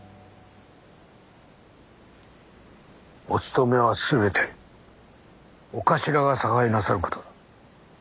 おつとめは全てお頭が差配なさることだ。